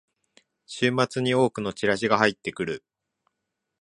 週末に多くのチラシが入ってくる